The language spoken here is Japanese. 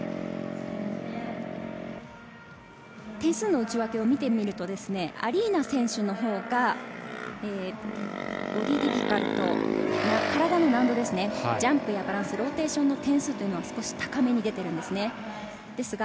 点数の内訳を見てみると、アリーナ選手のほうがよりボディーディフィカルトな体の難度、ジャンプやバランスローテーションの点数が少し高めに出ています。